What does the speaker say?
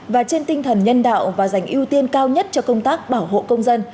và trên tinh thần nhân đạo và dành ưu tiên cao nhất cho công tác bảo hộ công dân